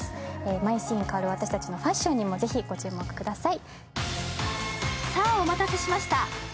毎シーン変わる私たちのファッションにもぜひご注目ください。